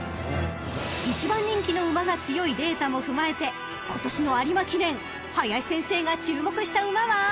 ［１番人気の馬が強いデータも踏まえて今年の有馬記念林先生が注目した馬は］